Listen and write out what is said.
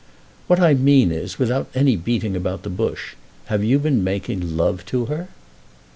"What I mean is, without any beating about the bush, have you been making love to her?"